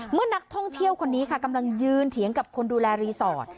เมื่อนักท่องเที่ยวคนนี้ค่ะกำลังยืนเถียงกับคนดูแลรีสอร์ท